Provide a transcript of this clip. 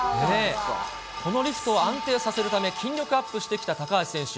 このリフトを安定させるため、筋力アップしてきた高橋選手。